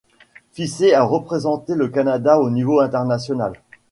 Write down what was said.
Fiset a représenté le Canada au niveau international.